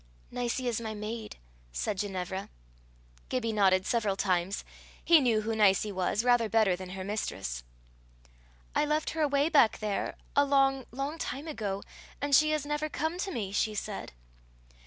"Nicie is my maid," said Ginevra. Gibbie nodded several times. He knew who Nicie was rather better than her mistress. "I left her away back there, a long, long time ago, and she has never come to me," she said.